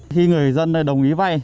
khi người dân đồng ý vay